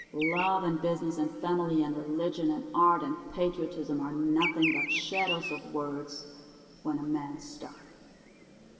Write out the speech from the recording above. Love and business and family and religion and art and patriotism are nothing but shadows of words when a man's starving!